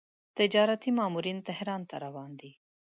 تجارتي ماموریت تهران ته روان دی.